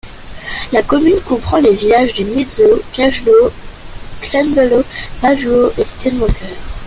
La commune comprend les villages de Neetzow, Kagenow, Klein Below, Padderow et Steinmocker.